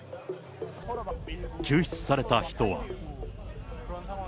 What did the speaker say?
救出された人は。